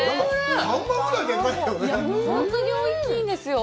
本当においしいんですよ。